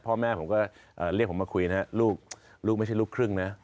พ่อแม่ผมก็เรียกผมมาคุยนะลูกไม่ใช่ลูกครึ่งนะ